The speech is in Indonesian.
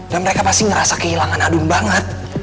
dan mereka pasti ngerasa kehilangan adun banget